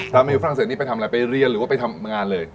มาอยู่ฝรั่งเศสนี่ไปทำอะไรไปเรียนหรือว่าไปทำงานเลย